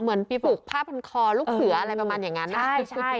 เหมือนไปปลูกผ้าพันคอลูกเขืออะไรประมาณอย่างงั้นนะใช่ใช่